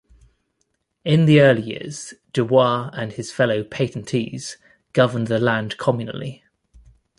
In the early years, DuBois and his fellow patentees governed the land communally.